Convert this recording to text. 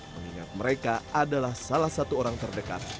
mengingat mereka adalah salah satu orang terdekat